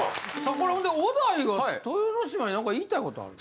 これほんで小田井が豊ノ島になんか言いたいことある？